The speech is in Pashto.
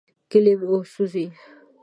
کلي مو سوځي.